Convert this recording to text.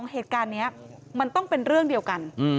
เหตุการณ์นี้มันต้องเป็นเรื่องเดียวกัน